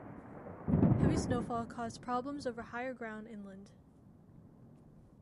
Heavy snowfall caused problems over higher ground inland.